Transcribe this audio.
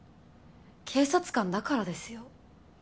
警察官だからですよ。